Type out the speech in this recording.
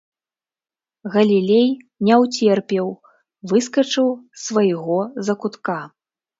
Галілей не ўцерпеў, выскачыў з свайго закутка.